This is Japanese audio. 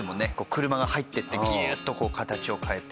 車が入っていってギューッと形を変えて。